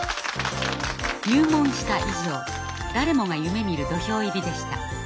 入門した以上誰もが夢みる土俵入りでした。